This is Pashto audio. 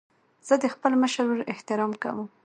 زه د خپل مشر ورور احترام کوم.